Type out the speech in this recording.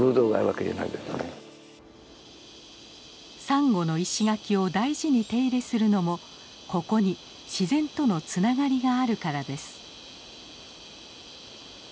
サンゴの石垣を大事に手入れするのもここに自然とのつながりがあるからです。